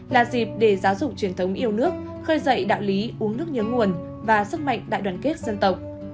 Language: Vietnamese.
là dịp để giáo dục truyền thống yêu nước khơi dậy đạo lý uống nước nhớ nguồn và sức mạnh đại đoàn kết dân tộc